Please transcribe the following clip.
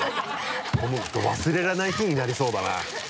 本当忘れられない日になりそうだな。